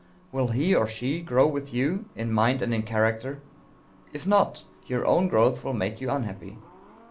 Will he, or she, grow with you in mind and in character? If not, your own growth will make you unhappy.